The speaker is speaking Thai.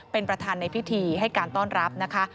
เป็นประธานในพิธีให้การต้อนรับนะคะ